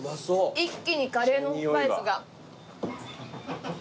一気にカレーのスパイスが。